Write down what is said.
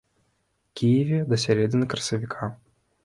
Кіеве да сярэдзіны красавіка.